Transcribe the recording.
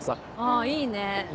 あいいね。